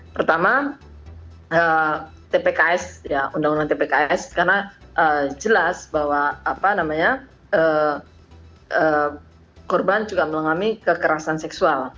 pertama tpks undang undang tpks karena jelas bahwa korban juga mengalami kekerasan seksual